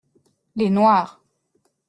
Les noirs.